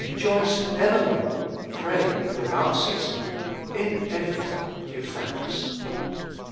joice evermore : pray without ceasing : in everything give thanks."